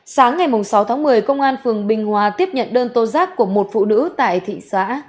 sáng ngày sáu tháng một mươi công an phường bình hòa tiếp nhận đơn tố giác của một phụ nữ tại thị xã